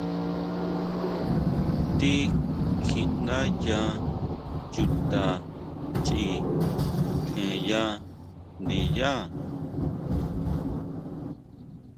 Tíkjiʼndáyá chuta chʼi tjenya ndiyá.